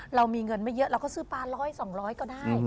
เรามีเงินไม่เยอะเราก็ซื้อปลา๑๐๐๒๐๐ก็ได้